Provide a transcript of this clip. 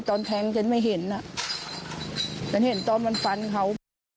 ตอนแทงฉันไม่เห็นอ่ะฉันเห็นตอนมันฟันเขา